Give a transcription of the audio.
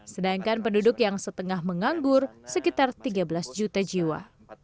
sedangkan penduduk yang setengah menganggur sekitar tiga belas juta jiwa